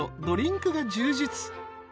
ドリンクが充実］